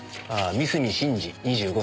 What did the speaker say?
三隅慎二２５歳。